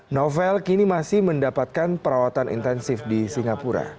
novel kini masih mendapatkan perawatan intensif di singapura